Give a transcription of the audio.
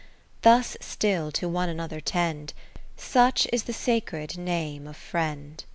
Thus still to one another tend ; Such is the sacred Name of Friend.